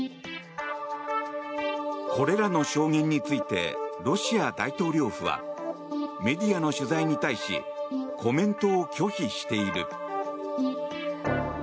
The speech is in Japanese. これらの証言についてロシア大統領府はメディアの取材に対しコメントを拒否している。